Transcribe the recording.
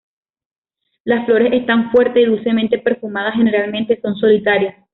Las flores están fuerte y dulcemente perfumadas, generalmente son solitarias.